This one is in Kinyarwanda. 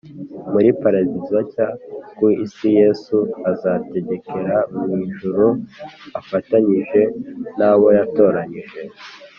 muri paradizo nshya ku isi Yesu azategekera mu ijuru afatanyije nabo yatoranyije